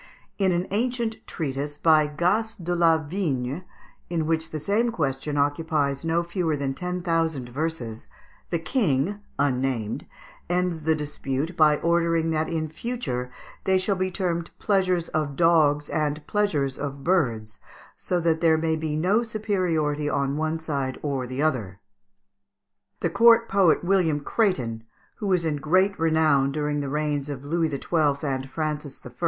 In an ancient Treatise by Gace de la Vigne, in which the same question occupies no fewer than ten thousand verses, the King (unnamed) ends the dispute by ordering that in future they shall be termed pleasures of dogs and pleasures of birds, so that there may be no superiority on one side or the other (Fig. 160). The court poet, William Crétin, who was in great renown during the reigns of Louis XII. and Francis I.